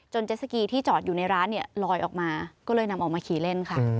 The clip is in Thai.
เจสสกีที่จอดอยู่ในร้านเนี่ยลอยออกมาก็เลยนำออกมาขี่เล่นค่ะ